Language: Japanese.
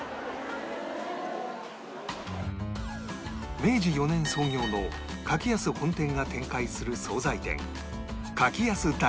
明治４年創業の柿安本店が展開する惣菜店